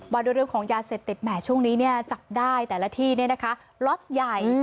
บรรดิมของยาเศษติดแหมช่วงนี้จับได้แต่ละที่ล็อตใหญ่